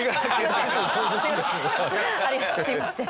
すみません。